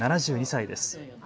７２歳です。